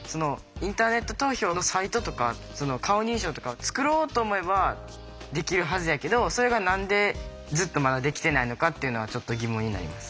インターネット投票のサイトとか顔認証とかを作ろうと思えばできるはずやけどそれが何でずっとまだできてないのかっていうのはちょっと疑問になります。